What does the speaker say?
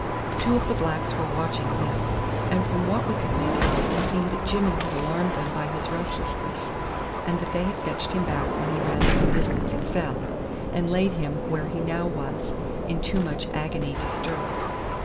Two of the blacks were watching him, and from what we could make out it seemed that Jimmy had alarmed them by his restlessness, and that they had fetched him back when he ran some distance and fell, and laid him where he now was, in too much agony to stir.